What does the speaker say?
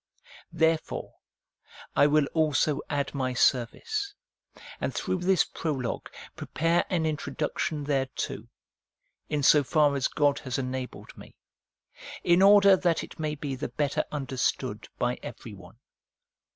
Therefore I will also add my service, and through this prologue prepare an introduction thereto, in so far as God has enabled me, in order that it may be the better under stood by everyone.